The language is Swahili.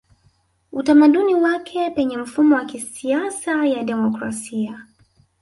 Utamaduni wake Penye mfumo wa kisiasa ya demokrasia